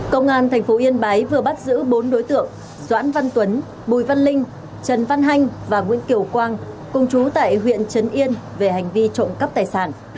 công an tp yên bái vừa bắt giữ bốn đối tượng doãn văn tuấn bùi văn linh trần văn hanh và nguyễn kiều quang cùng chú tại huyện trấn yên về hành vi trộm cắp tài sản